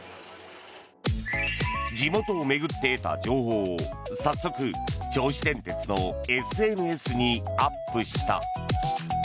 地元を巡って得た情報を早速、銚子電鉄のＳＮＳにアップした。